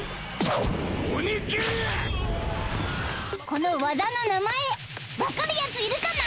「この技の名前分かるやついるかな？」